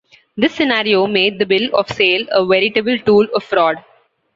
This scenario made the bill of sale a veritable tool of fraud.